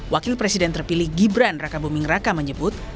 wakil presiden terpilih gibran raka buming raka menyebut